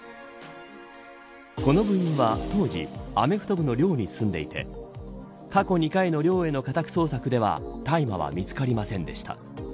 この部員は当時アメフト部の寮に住んでいて過去２回の寮への家宅捜索では大麻は見つかりませんでした。